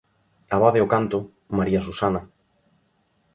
Abade Ocanto, María Susana.